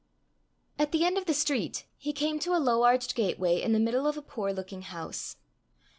At the end of the street he came to a low arched gateway in the middle of a poor looking house.